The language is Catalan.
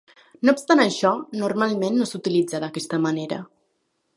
No obstant això, normalment no s'utilitza d'aquesta manera.